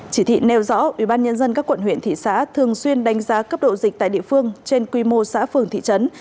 chỉ thị nêu rõ ubnd các quận huyện thị xã thường xuyên đánh giá cấp độ dịch tại địa phương trên quy mô xã phường thị trấn